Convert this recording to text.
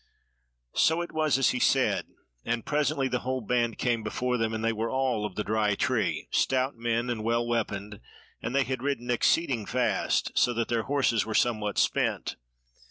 So it was as he said, and presently the whole band came before them, and they were all of the Dry Tree, stout men and well weaponed, and they had ridden exceeding fast, so that their horses were somewhat spent.